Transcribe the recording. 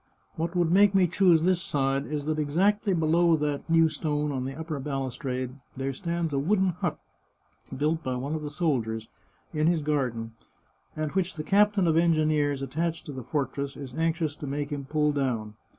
" What would make me choose this side is that exactly below that new stone on the upper balustrade there stands a wooden hut, built by one of the soldiers, in his garden, and which the captain of engineers attached to the fortress is anxious to make him pull down.